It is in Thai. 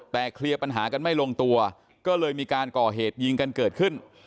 แต่เคลียร์ปัญหากันไม่ลงตัวก็เลยมีการก่อเหตุยิงกันเกิดขึ้น